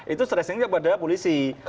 itu stressing kepada polisi